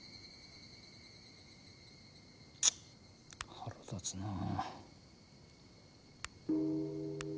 腹立つなあ。